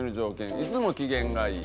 いつも機嫌がいい」